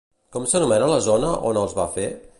Com s'anomena la zona on els va fer?